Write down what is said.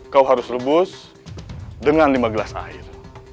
kau harus rebus dengan lima gelas air